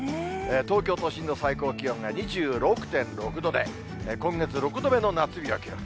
東京都心の最高気温が２６．６度で、今月６度目の夏日を記録。